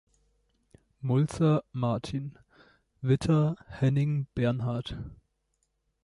Mulzer, Martin: Witter, Henning Bernhard.